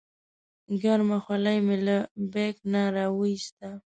ګرمه خولۍ مې له بیک نه راوویسته.